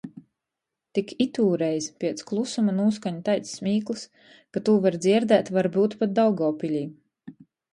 Tik itūreiz piec klusuma nūskaņ taids smīklys, ka tū var dzierdēt varbyut pat Daugovpilī.